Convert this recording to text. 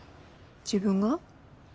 自分が？